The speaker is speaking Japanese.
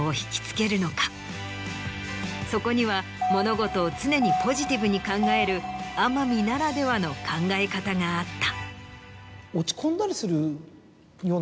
そこには物事を常にポジティブに考える天海ならではの考え方があった。